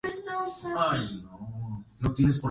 El acorazado, retornó con el resto de la flota a Scapa Flow.